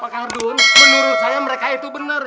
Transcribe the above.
pak ardun menurut saya mereka itu bener